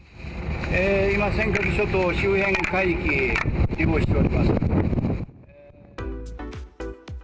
今、尖閣諸島周辺海域、漁をしております。